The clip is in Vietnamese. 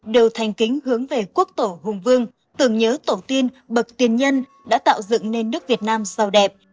đều thành kính hướng về quốc tổ hùng vương tưởng nhớ tổ tiên bậc tiền nhân đã tạo dựng nên nước việt nam giàu đẹp